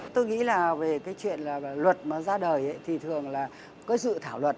tôi nghĩ là về cái chuyện là luật mà ra đời thì thường là có dự thảo luật